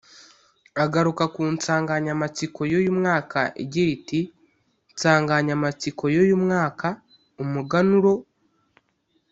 Agaruka ku nsanganyamatsiko y’uyu mwaka igira iti ‘nsanganyamatsiko y’uyu mwaka ‘Umuganuro